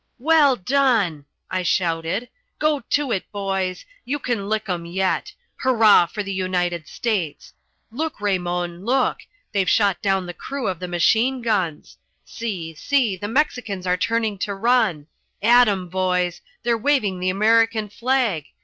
"Well done," I shouted. "Go to it, boys! You can lick 'em yet! Hurrah for the United States. Look, Raymon, look! They've shot down the crew of the machine guns. See, see, the Mexicans are turning to run. At 'em, boys! They're waving the American flag!